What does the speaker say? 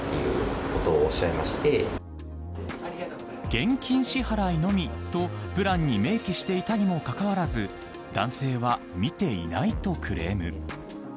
現金支払いのみとプランに明記していたにもかかわらず男性は見ていないとクレーム。